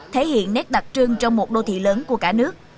thể hiện nét đặc trưng trong một đô thị lớn của cả nước